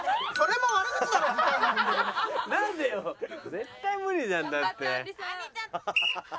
絶対無理じゃんだって。